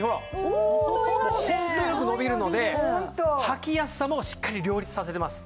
ホントよく伸びるのではきやすさもしっかり両立させてます。